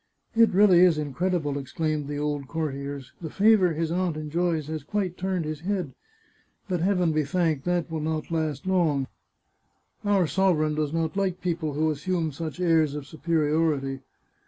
" It really is incredible," exclaimed the old courtiers. " The favour his aunt enjoys has quite turned his head. ... But Heaven be thanked, that will not last long! Our sov 499 The Chartreuse of Parma ereign does not like people who assume such airs of supe riority."